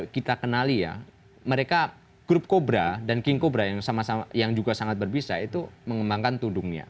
kita kenali ya mereka grup kobra dan king kobra yang sama sama yang juga sangat berbisa itu mengembangkan tudungnya